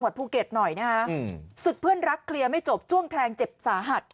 ภูเก็ตหน่อยนะฮะศึกเพื่อนรักเคลียร์ไม่จบจ้วงแทงเจ็บสาหัส